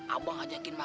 abang ajakin makan deh